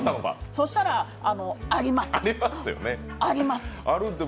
そしたら、ありますって。